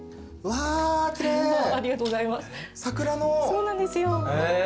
そうなんですよ。